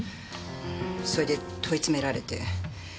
それで問い詰められて。